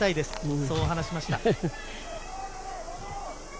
そう話しました。